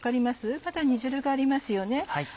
まだ煮汁がありますよね。